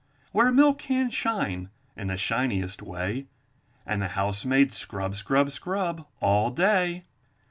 Where milk cans shine in the shiniest way, And the housemaids scrub, scrub, scrub all day.